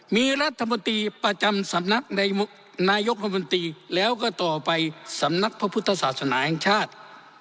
มีรัฐมนตรีประจำสำนักนายกรมนตรีแล้วก็ต่อไปสำนักพระพุทธศาสนาแห่งชาติ